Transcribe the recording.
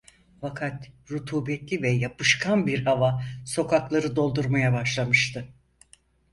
Fakat rutubetli ve yapışkan bir hava sokakları doldurmaya başlamıştı.